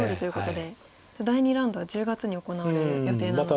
第２ラウンドは１０月に行われる予定なので。